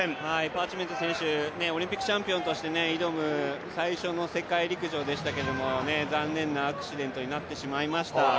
パーチメント選手、オリンピックチャンピオンとして挑む最初の世界陸上でしたけれども残念なアクシデントになってしまいました。